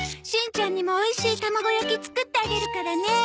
しんちゃんにもおいしい卵焼き作ってあげるからね。